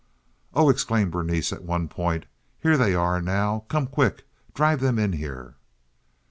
"Oh!" exclaimed Berenice at one point. "Here they are now. Come quick! Drive them in here!"